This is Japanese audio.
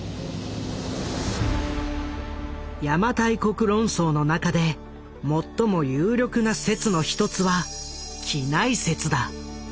邪馬台国論争の中で最も有力な説の一つは畿内説だ。